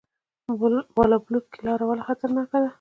بالابلوک لاره ولې خطرناکه ده؟